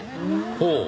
ほう。